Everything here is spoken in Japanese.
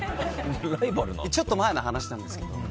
ちょっと前の話なんですけど